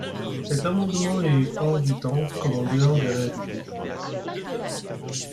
Cet amendement est hors du temps comme en dehors des réalités.